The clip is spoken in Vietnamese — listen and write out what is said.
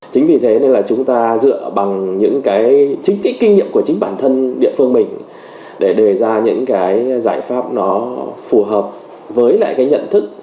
chính vì thế nên là chúng ta dựa bằng những cái chính cái kinh nghiệm của chính bản thân địa phương mình để đề ra những cái giải pháp nó phù hợp với lại cái nhận thức